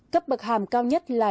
cấp bậc hàm cao nhất là